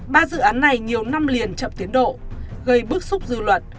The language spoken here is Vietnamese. ba dự án này nhiều năm liền chậm tiến độ gây bức xúc dư luận